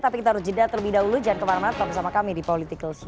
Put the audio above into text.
tapi kita harus jeda terlebih dahulu jangan kemana mana tetap bersama kami di political show